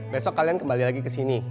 besok kalian kembali lagi kesini